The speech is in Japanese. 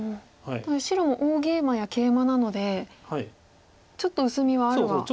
ただ白も大ゲイマやケイマなのでちょっと薄みはあるはあるんですね。